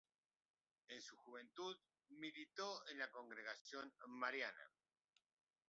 En su juventud militó en la Congregación Mariana.